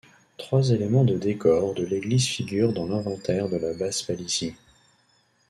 Trois éléments de décor de l'église figurent dans l'inventaire de la base Palissy.